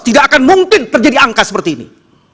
tidak akan mungkin terjadi angka seperti ini